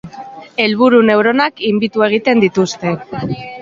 Helburu neuronak inhibitu egiten dituzte.